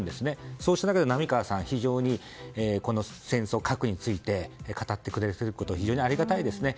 そうした中で並川さんこの戦争、核について語ってくれているのは非常にありがたいですね。